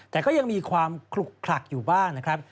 แต่ก็ยังมีความขลุกคลักอยู่บ้างนะครับ